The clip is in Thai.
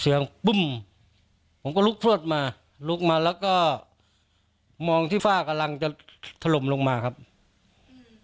ปุ้มผมก็ลุกพลวดมาลุกมาแล้วก็มองที่ฝ้ากำลังจะถล่มลงมาครับอืม